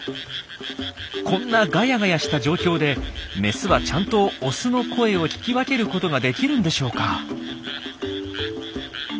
こんなガヤガヤした状況でメスはちゃんとオスの声を聞き分けることができるんでしょうか？